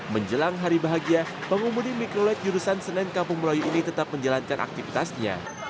menjelang hari bahagia pengumudi mikrolet jurusan senen kampung melayu ini tetap menjalankan aktivitasnya